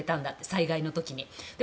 災害の時にって。